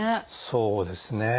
そうですね。